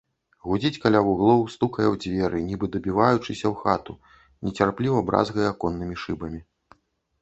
Гудзіць каля вуглоў, стукае ў дзверы, нібы дабіваючыся ў хату, нецярпліва бразгае аконнымі шыбамі.